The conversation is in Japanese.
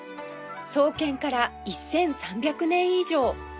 創建から１３００年以上